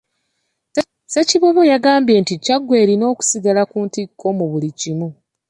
Ssekiboobo yagambye nti Kyaggwe erina okusigala ku ntikko mu buli kimu.